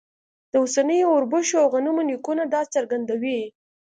د اوسنیو اوربشو او غنمو نیکونه دا څرګندوي.